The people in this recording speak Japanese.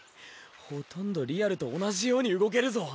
ほとんどリアルと同じように動けるぞ。